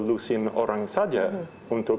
lusin orang saja untuk